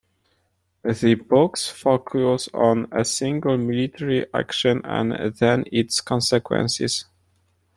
The books focus on a single 'military' action and then its consequences.